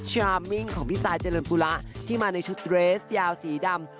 รามมิ่งของพี่ซายเจริญปุระที่มาในชุดเรสยาวสีดำ